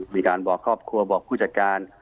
มีการบอกครอบครัวบอกผู้จัดการ